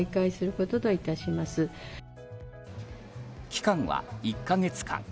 期間は１か月間。